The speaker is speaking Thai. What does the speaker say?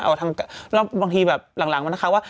เอาทั้งเกิดปลอบบางที่แบบหลังมันแท้เค้าว่า